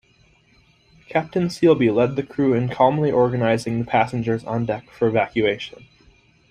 Captain Sealby led the crew in calmly organizing the passengers on deck for evacuation.